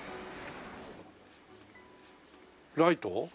ライト？